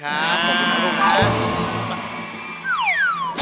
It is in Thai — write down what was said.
ขอบคุณคุณลูกค้า